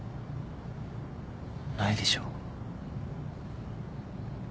ないでしょ。